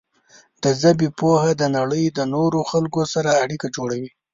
د ژبې پوهه د نړۍ د نورو خلکو سره اړیکه جوړوي.